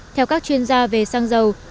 theo các chuyên gia về xăng dầu